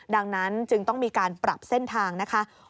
ดังนั้นจึงต้องมีการปรับเส้นทางนะคะ